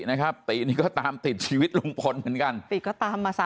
นะครับตินี่ก็ตามติดชีวิตลุงพลเหมือนกันติก็ตามมาสั่ง